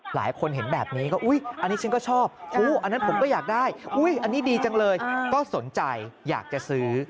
หลายคนเห็นแบบนี้ก็อุ๊ยอันนี้ฉันก็ชอบอันนั้นผมก็อยากได้อันนี้ดีจังเลยก็สนใจอยากจะซื้อ